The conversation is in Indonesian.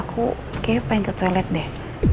aku kayaknya pengen ke toilet deh